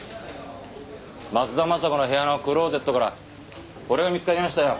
松田雅子の部屋のクローゼットからこれが見つかりましたよ。